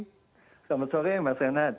selamat sore mbak senat